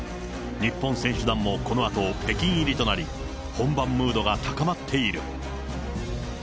日本選手団も、このあと北京入りとなり、本番ムードが高まっている。